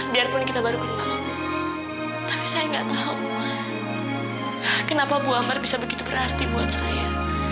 biarpun kita baru kenal tapi saya nggak tahu kenapa bu amar bisa begitu berarti buat saya